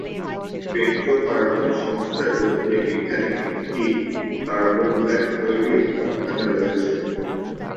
Petro-carbon সংস্থার অধীনে এখানে একটি কার্বন-ব্ল্যাক তৈরির কারখানা রয়েছে।